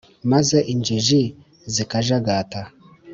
Maze injiji zikajagata